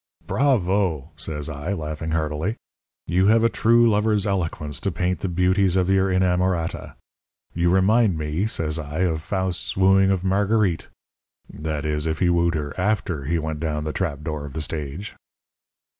"'Bravo!' says I, laughing heartily. 'You have a true lover's eloquence to paint the beauties of your inamorata. You remind me,' says I, 'of Faust's wooing of Marguerite that is, if he wooed her after he went down the trap door of the stage.'